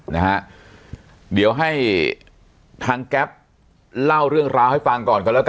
นะฮะเดี๋ยวให้ทางแก๊ปเล่าเรื่องราวให้ฟังก่อนกันแล้วกัน